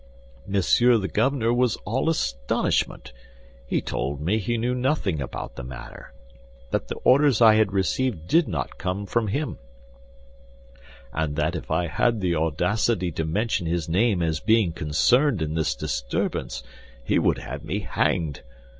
Monsieur the Governor was all astonishment. He told me he knew nothing about the matter, that the orders I had received did not come from him, and that if I had the audacity to mention his name as being concerned in this disturbance he would have me hanged.